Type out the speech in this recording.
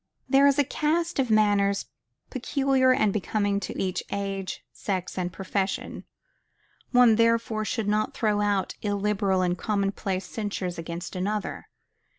There is a cast of manners peculiar and becoming to each age, sex, and profession; one, therefore, should not throw out illiberal and commonplace censures against another.